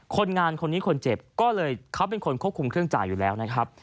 คนงานคนนี้คนเจ็บก็เลยเขาเป็นคนควบคุมเครื่องจ่ายอยู่แล้วนะครับ